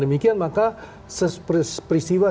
demikian maka peristiwa